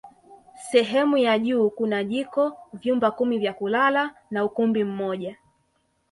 Sehemu ya juu kuna jiko vyumba kumi vya kulala na ukumbi mmoja